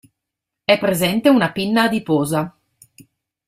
È presente una pinna adiposa.